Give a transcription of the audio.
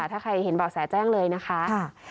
ถ้าใครเห็นบอกแสแจ้งเลยนะคะ